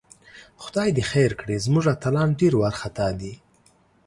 خدای دې خیر کړي، زموږ اتلان ډېر وارخطاء دي